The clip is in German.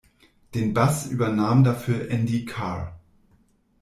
Den Bass übernahm dafür Andy Carr.